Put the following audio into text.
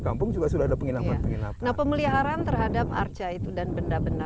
kampung juga sudah ada penginapan penginapan pemeliharaan terhadap arca itu dan benda benda